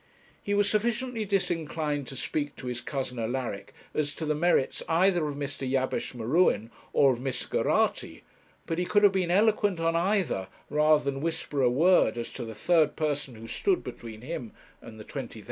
He was sufficiently disinclined to speak to his cousin Alaric as to the merits either of Mr. Jabesh M'Ruen or of Miss Geraghty, but he could have been eloquent on either rather than whisper a word as to the third person who stood between him and the £20,000.